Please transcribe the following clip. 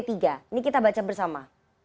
ini kita baca bersama